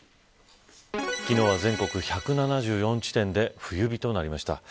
昨日は全国１７４地点で冬日となりました。